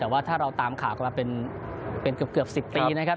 แต่ว่าถ้าเราตามข่าวกันมาเป็นเกือบ๑๐ปีนะครับ